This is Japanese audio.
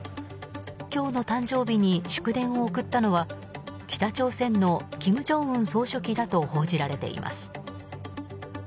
今日の誕生日に祝電を送ったのは北朝鮮の金正恩総書記だと報じられています。